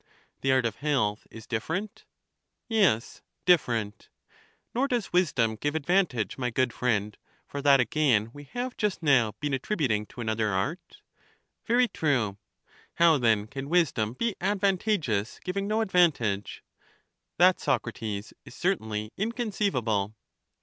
The art of health is different. Yes, different. Nor does wisdom give advantage, my good friend ; for that again we have just now been attributing to another art. Very true. How then can wisdom be advantageous, giving no advantage? That, Socrates, is certainly inconceivable.